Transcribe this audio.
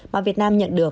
mà việt nam nhận được